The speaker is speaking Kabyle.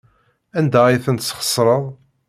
Anda ay ten-tesxeṣreḍ?